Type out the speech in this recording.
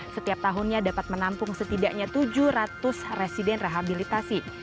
setiap tahunnya dapat menampung setidaknya tujuh ratus residen rehabilitasi